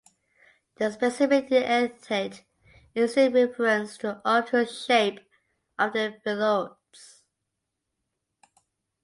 The specific epithet is in reference to the obtuse shape of the phyllodes.